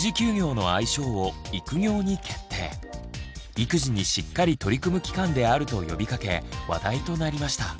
育児にしっかり取り組む期間であると呼びかけ話題となりました。